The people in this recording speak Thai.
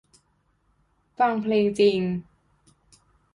ฟังเพลงจริง